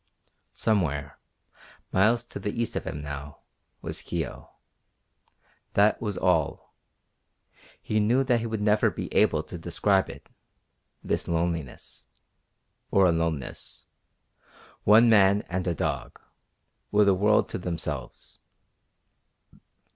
Somewhere, miles to the east of him now, was Kio. That was all. He knew that he would never be able to describe it, this loneliness or aloneness; one man, and a dog, with a world to themselves.